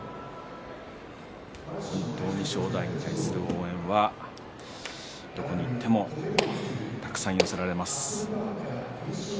正代に対する応援はどこに行ってもたくさん寄せられます。